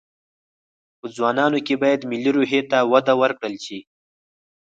په ځوانانو کې باید ملي روحي ته وده ورکړل شي